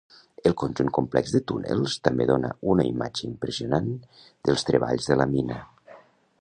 El conjunt complex de túnels també dóna una imatge impressionant dels treballs de la mina.